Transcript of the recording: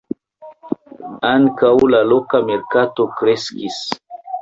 Ankaŭ la loka merkato kreskis.